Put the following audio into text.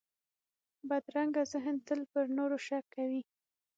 بدرنګه ذهن تل پر نورو شک کوي